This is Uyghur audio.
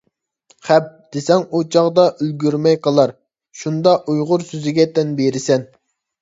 «خەپ» دېسەڭ ئۇچاغدا ئۈلگۈرمەي قالار، شۇندا ئۇيغۇر سۆزىگە تەن بىرىسەن.